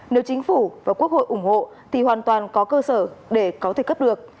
nếu chính phủ và quốc hội ủng hộ thì hoàn toàn có cơ sở để có thể cấp được